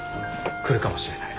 来るかもしれない。